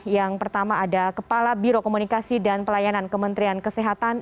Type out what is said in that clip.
yang pertama ada kepala biro komunikasi dan pelayanan kementerian kesehatan